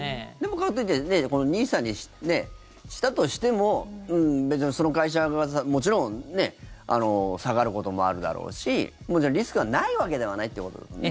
でもこのＮＩＳＡにしたとしても別にその会社が、もちろん下がることもあるだろうしもちろんリスクはないわけではないということですよね。